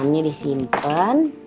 enam nya disimpan